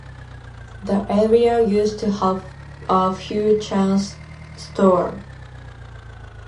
The area used to have a few chain stores.